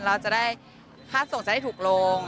เราจะได้ค่าส่งจะได้ถูกลง